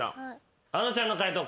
あのちゃんの解答